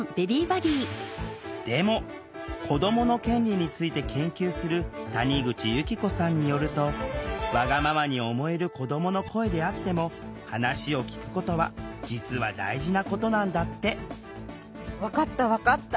でも子どもの権利について研究する谷口由希子さんによるとわがままに思える子どもの声であっても話を聴くことは実は大事なことなんだって。